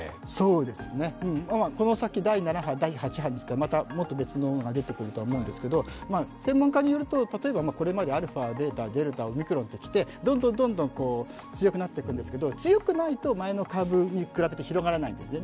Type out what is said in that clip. そうですね、この先、第７波、第８波、もっと別のものが出てくると思うんですけれども、専門家によると例えばこれまでα、β、オミクロンときてどんどん強くなっていくんですけど強くないと前の株に比べて広がらないんですね。